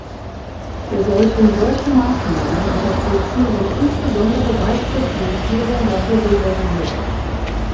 Wir sollten solche Maßnahmen unterstützen und insbesondere weitere Finanzierung dafür reservieren.